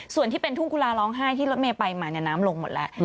ส่วนที่เป็นทุ่งกุลาร้องไห้ที่รถเมย์ไปมาน้ำลงหมดแล้ว